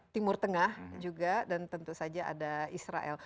timur tengah juga dan tentu saja ada israel